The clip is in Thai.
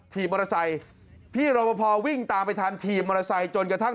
มอเตอร์ไซค์พี่รบพอวิ่งตามไปทันถีบมอเตอร์ไซค์จนกระทั่ง